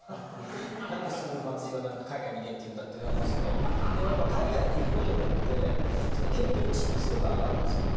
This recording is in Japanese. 何ですぐ松井は海外に行けって言うんだって言われるんですけどでもやっぱり海外に行くことによって経験値ってすごく上がるんですよね。